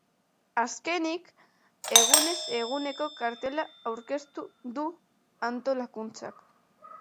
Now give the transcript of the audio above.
Azkenik, egunez eguneko kartela aurkeztu du antolakuntzak.